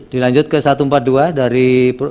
dilanjut ke satu ratus empat puluh dua dari